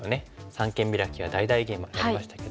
三間ビラキや大々ゲイマやりましたけども。